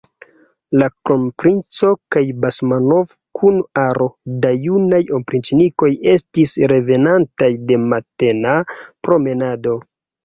La kronprinco kaj Basmanov kun aro da junaj opriĉnikoj estis revenantaj de matena promenado.